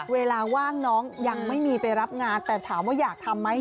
เวลาว่างน้องยังไม่มีไปรับงานแต่ถามว่าอยากทำไหม